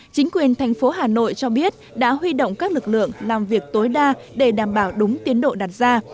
chính quyền thành phố hà nội cho biết đã huy động các lực lượng làm việc tối đa để đảm bảo đúng tiến độ đặt ra